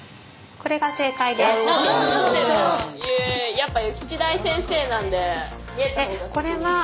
やっぱ諭吉大先生なんで見えた方が。